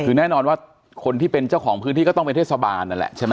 คือแน่นอนว่าคนที่เป็นเจ้าของพื้นที่ก็ต้องไปเทศบาลนั่นแหละใช่ไหม